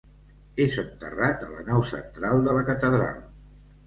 És enterrat a la nau central de la catedral.